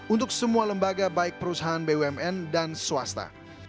untuk semua lembaga baik perusahaan bumn dan swasta